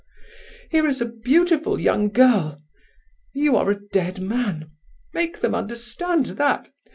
'Here is a beautiful young girl—you are a dead man; make them understand that.